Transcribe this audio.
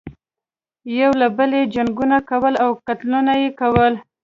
یو له بله یې جنګونه کول او قتلونه یې کول.